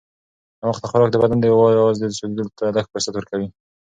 ناوخته خوراک د بدن د وازدې سوځېدو ته لږ فرصت ورکوي.